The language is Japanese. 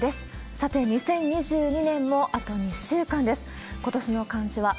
さて、２０２２年もあと２週間です。